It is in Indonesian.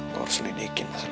gue harus lidikin pasalnya ini